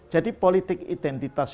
jadi politik identitas